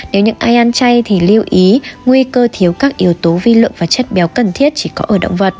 nếu những ai ăn chay thì lưu ý nguy cơ thiếu các yếu tố vi lượng và chất béo cần thiết chỉ có ở động vật